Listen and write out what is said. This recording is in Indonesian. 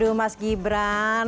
duh mas gibran